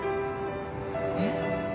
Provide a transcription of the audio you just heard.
えっ？